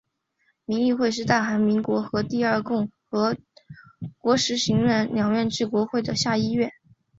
民议院是大韩民国的第二共和国实行两院制国会的下议院。